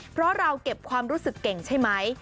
เพราะเราเก็บความรู้สึกเก่งใช่ไหม